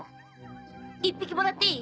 １匹もらっていい？